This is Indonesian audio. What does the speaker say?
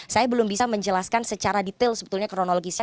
saya belum bisa menjelaskan secara detail sebetulnya kronologisnya